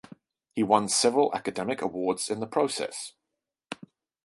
He won several academic awards in the process.